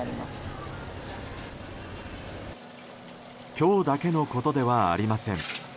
今日だけのことではありません。